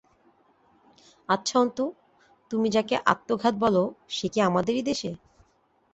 আচ্ছা অন্তু, তুমি যাকে আত্মঘাত বল সে কি আমাদেরই দেশে?